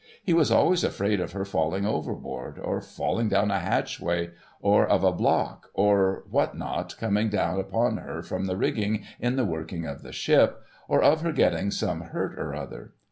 He was always afraid of her falling overboard, or falling down a hatchway, or of a block or what not coming down upon her from the rigging in the working of the ship, or of her getting some hurt or other.